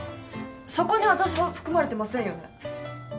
そこに私は含まれてませんよね？